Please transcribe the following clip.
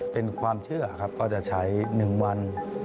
เป็นความเชื่อครับก็จะใช้๑วัน